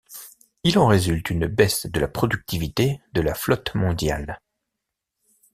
Il en résulte une baisse de la productivité de la flotte mondiale.